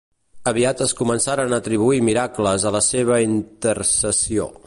Aviat es començaren a atribuir miracles a la seva intercessió.